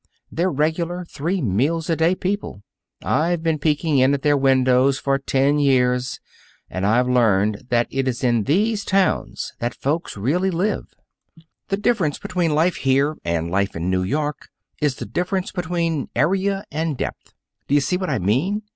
"They're regular, three meals a day people. I've been peeking in at their windows for ten years, and I've learned that it is in these towns that folks really live. The difference between life here and life in New York is the difference between area and depth. D'you see what I mean?